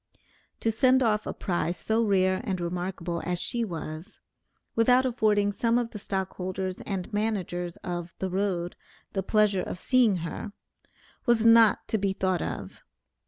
To send off a prize so rare and remarkable, as she was, without affording some of the stockholders and managers of the Road the pleasure of seeing her, was not to be thought of.